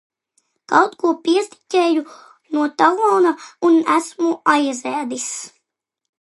Kaut ko, piestiķēju no talona un esmu aizēdis.